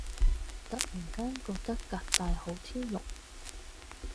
突然間覺得革大好天龍